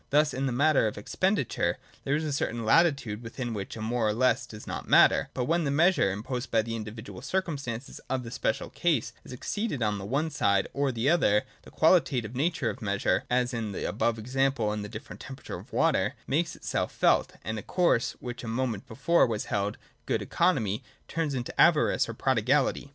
Thus in the matter of expenditure, there is a certain latitude within which a more or less does not matter ; but when the Measure, imposed by the individual circumstances of the special case, is exceeded on the one side or the other, the qualitative nature of Measure (as in the above examples of the different temperature of water) makes itself felt, and a course, which a moment before was held good economy, turns into avarice or prodigality.